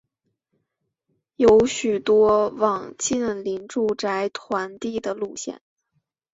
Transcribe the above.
有许多网近邻住宅团地的路线。